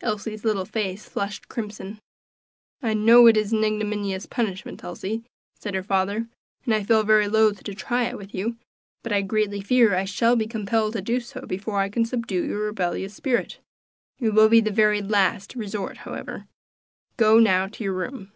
Elsie's little face flushed crimson. "I know it is an ignominious punishment, Elsie," said her father, "and I feel very loth to try it with you, but I greatly fear I shall be compelled to do so before I can subdue your rebellious spirit; it will be the very last resort, however. Go now to your room."